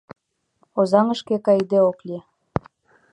Озаҥышке кайыде ок лий.